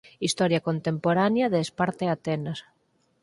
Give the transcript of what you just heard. Historia contemporánea de Esparta e Atenas.